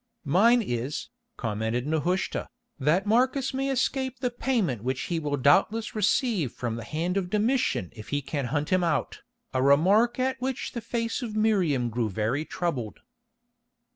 "Mine is," commented Nehushta, "that Marcus may escape the payment which he will doubtless receive from the hand of Domitian if he can hunt him out," a remark at which the face of Miriam grew very troubled.